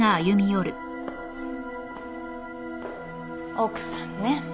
奥さんね。